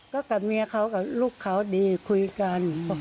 ก็กับเมียเขากับลูกเขาดีคุยกัน